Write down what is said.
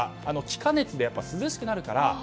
気化熱で涼しくなるので。